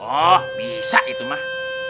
oh bisa itu mah